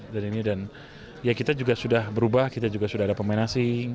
dan kita juga sudah berubah kita juga sudah ada pemain asing